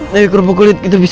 dari kerupuk kulit kita bisa